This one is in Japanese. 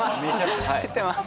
知ってます